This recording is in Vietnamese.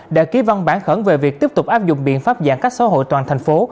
đã ký văn bản khẩn về việc tiếp tục áp dụng biện pháp giãn cách xã hội toàn thành phố